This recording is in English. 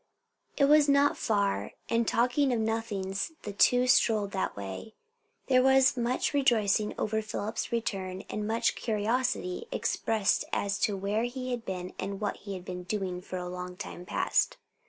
It was not far, and talking of nothings the two strolled that way. There was much rejoicing over Philip's return, and much curiosity expressed as to where he had been and what he had been doing for a long time past.